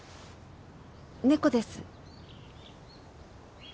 猫です。